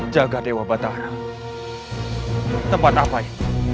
jangan lupa untuk berhati hati